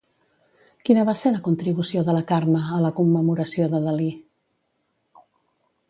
Quina va ser la contribució de la Carme a la commemoració de Dalí?